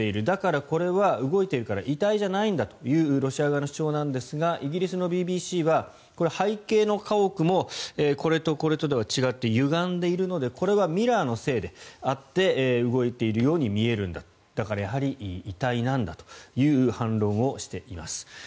だからこれは動いているから遺体じゃないんだというロシア側の主張なんですがイギリスのＢＢＣはこれは背景の家屋もこれとこれとでは違ってゆがんでいるのでこれはミラーのせいであって動いているように見えるんだだからやはり遺体なんだという反論をしています。